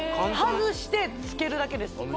外してつけるだけです